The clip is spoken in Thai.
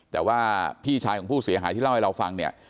แต่ว่าพี่ชายของผู้เสียหายที่เล่าให้เราฟังเนี่ย